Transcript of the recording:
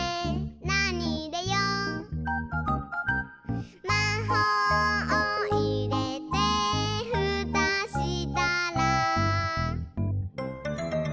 「なにいれよう？」「まほうをいれてふたしたら」